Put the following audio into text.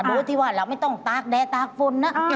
โดยที่ว่าเราน่าต้องคดผ่านได้คดปล้อนนะ